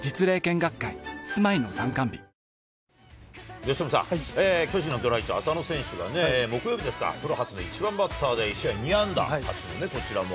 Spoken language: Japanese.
由伸さん、巨人のドラ１、浅野選手が、木曜日ですか、プロ初の１番バッターで１試合２安打、こちらも。